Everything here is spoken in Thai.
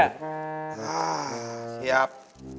อ่าเขียบ